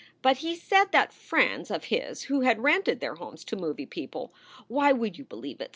But he said that friends of his who had rented their homes to movie people Why, would you believe it?